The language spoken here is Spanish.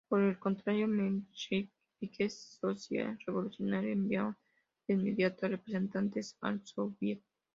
Por el contrario, mencheviques y socialrevolucionarios enviaron de inmediato representantes al sóviet.